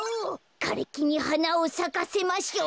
「かれきにはなをさかせましょう」。